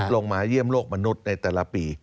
มาเยี่ยมโลกมนุษย์ในแต่ละปี